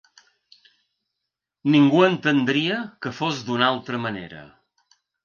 Ningú entendria que fos d’una altra manera.